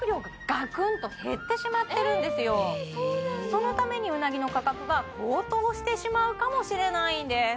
そのためにうなぎの価格が高騰してしまうかもしれないんです